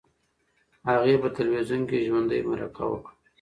هغې په تلویزیون کې ژوندۍ مرکه وکړه.